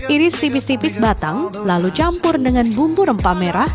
iris tipis tipis batang lalu campur dengan bumbu rempah merah